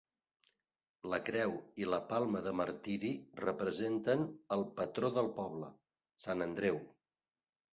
La creu i la palma de martiri representen el patró del poble, Sant Andreu.